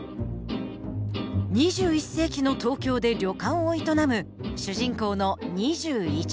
２１世紀のトウキョウで旅館を営む主人公の２１エモン。